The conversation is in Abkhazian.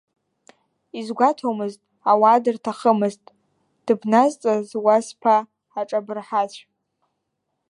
Изгәаҭомызт, ауаа дырҭахымызт, дыбназҵаз уа зԥа, аҿабырҳацә.